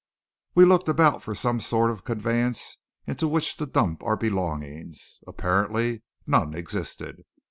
We looked about for some sort of conveyance into which to dump our belongings. Apparently none existed.